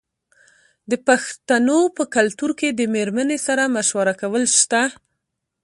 د پښتنو په کلتور کې د میرمنې سره مشوره کول شته.